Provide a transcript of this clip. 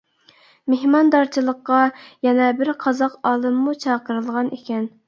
مېھماندارچىلىققا يەنە بىر قازاق ئالىممۇ چاقىرىلغان ئىكەن.